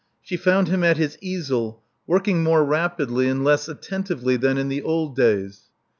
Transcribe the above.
She found him at his easel, working more rapidly and less attentively than in the old days.